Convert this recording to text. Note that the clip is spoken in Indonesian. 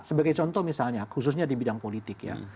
sebagai contoh misalnya khususnya di bidang politik ya